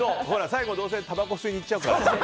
最後、どうせたばこ吸いに行っちゃうから。